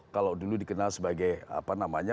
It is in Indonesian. kalau dulu dikenal sebagai apa namanya